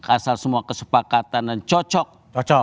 kasar semua kesepakatan dan cocok